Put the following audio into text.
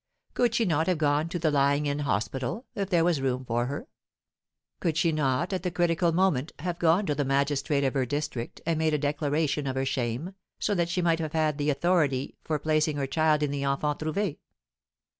Could she not have gone to the Lying in Hospital, if there was room for her? Could she not, at the critical moment, have gone to the magistrate of her district and made a declaration of her shame, so that she might have had authority for placing her child in the Enfants Trouvés?